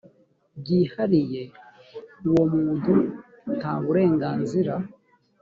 byihariye uwo muntu nta burenganzira